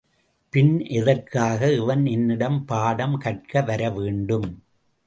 பின் எதற்காக இவன் என்னிடம் பாடம் கற்க வரவேண்டும்?